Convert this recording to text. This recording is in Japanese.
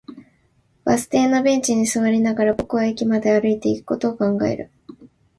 バス停のベンチに座りながら、僕は駅まで歩いていくことを考える